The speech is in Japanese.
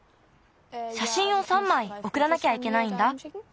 しゃしんを３まいおくらなきゃいけないんだ。